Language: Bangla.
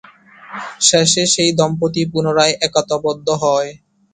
শেষে, সেই দম্পতি পুনরায় একতাবদ্ধ হয়।